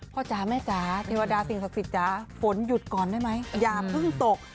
จ๋าแม่จ๋าเทวดาสิ่งศักดิ์สิทธิจ๋าฝนหยุดก่อนได้ไหมอย่าเพิ่งตก